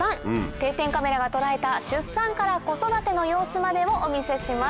定点カメラが捉えた出産から子育ての様子までをお見せします。